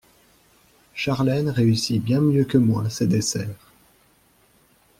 Charlène réussit bien mieux que moi ses desserts.